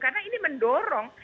karena ini mendorong